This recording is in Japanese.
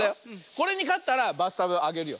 これにかったらバスタブあげるよ。